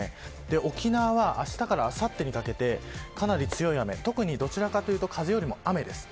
沖縄はあしたからあさってにかけてかなり強い雨どちらかというと雨です。